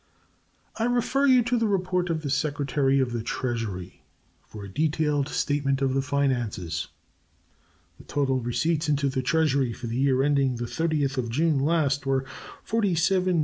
I refer you to the report of the Secretary of the Treasury for a detailed statement of the finances. The total receipts into the Treasury for the year ending 30th of June last were $47,421,748.90.